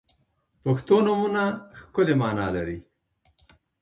• پښتو نومونه ښکلی معنا لري.